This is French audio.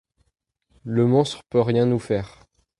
le monstre peut rien nous faire.